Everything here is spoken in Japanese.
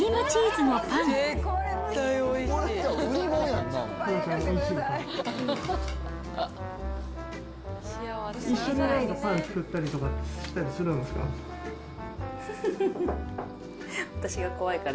一緒にパン作ったりとかしたりするんですか？